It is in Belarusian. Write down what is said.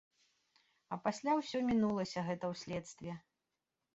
А пасля ўсё мінулася гэта ў следстве.